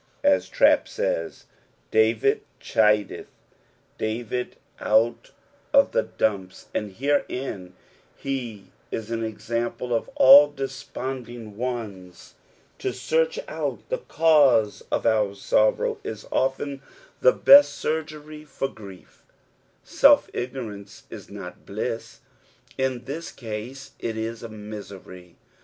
As Trapp says, "David chideth David out of the dumps ;" and herein he is an example for all desponding ones. EXPOBiriONS OF THE FSALHS. To eearch out the cause of ont gorrow is often th« best surgery (or gtief. Self ignoraoce is not bliss ; ia this case it is niitery.